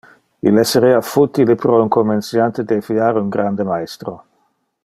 Il esserea futile pro un comenciante defiar un grande-maestro.